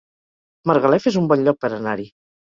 Margalef es un bon lloc per anar-hi